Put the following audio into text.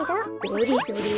どれどれ？